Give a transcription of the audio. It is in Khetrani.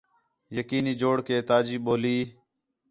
یقینی جوڑ کہ تاجی ٻولی